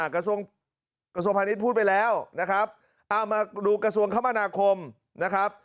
กระทรวงพาณิชย์พูดไปแล้วนะครับเอามาดูกระทรวงคมนาคมนะครับ